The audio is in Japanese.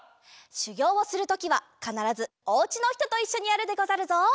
しゅぎょうをするときはかならずおうちのひとといっしょにやるでござるぞ。